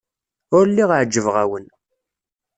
Ur lliɣ ɛejbeɣ-awen.